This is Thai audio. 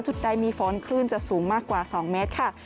จุดใดมีฝนคลื่นจะสูงมากกว่า๒เมตรค่ะ